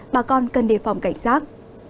bà con cần đề phòng cảnh giác